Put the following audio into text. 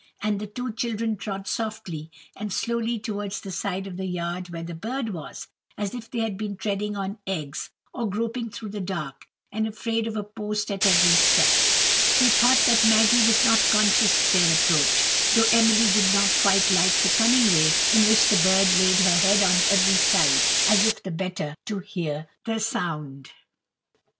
And the two children trod softly and slowly towards the side of the yard where the bird was, as if they had been treading on eggs or groping through the dark and afraid of a post at every step. They thought that Maggy was not conscious of their approach; though Emily did not quite like the cunning way in which the bird laid her head on every side, as if the better to hear the sound.